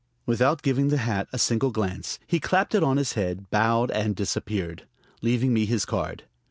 Without giving the hat a single glance, he clapped it on his head, bowed and disappeared, leaving me his card.